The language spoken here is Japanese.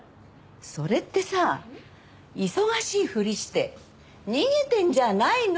それってさ忙しいふりして逃げてんじゃないの？